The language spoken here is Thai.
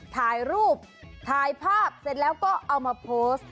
ถ่ายรูปถ่ายภาพเสร็จแล้วก็เอามาโพสต์